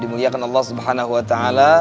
dimuliakan allah subhanahu wa ta'ala